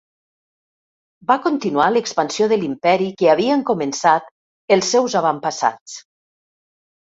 Va continuar l'expansió de l'imperi que havien començat els seus avantpassats.